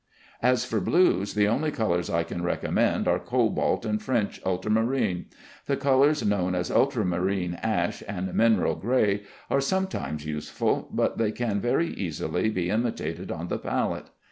As for blues, the only colors I can recommend are cobalt and French ultramarine. The colors known as ultramarine ash and mineral gray are sometimes useful, but they can very easily be imitated on the palette.